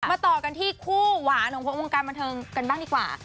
ต่อกันที่คู่หวานของคนวงการบันเทิงกันบ้างดีกว่า